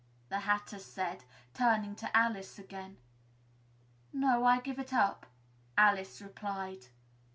the Hatter said, turning to Alice again. "No, I give it up," Alice replied.